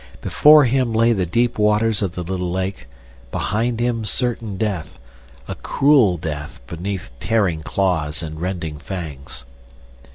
Before him lay the deep waters of the little lake, behind him certain death; a cruel death beneath tearing claws and rending fangs.